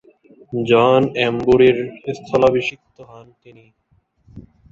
জন এম্বুরি’র স্থলাভিষিক্ত হন তিনি।